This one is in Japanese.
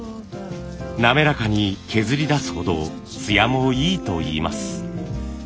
滑らかに削り出すほどつやもいいといいます。